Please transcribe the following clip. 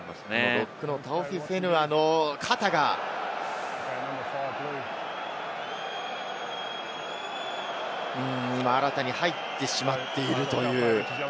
ロックのタオフィフェヌアの肩が今、アラタに入ってしまっているという。